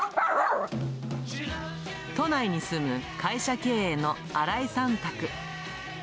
都内に住む会社経営の荒井さん宅。